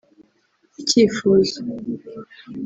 ‘‘Icyifuzo’’